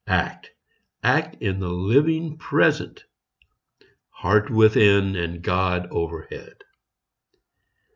Act, — act in the living Present ! Heart within, and God o'erhead